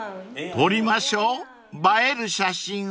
［撮りましょう映える写真を］